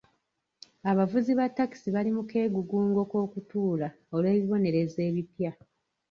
Abavuzi ba taxi bali mu keegugungo k'okutuula olw'ebibonerezo ebipya.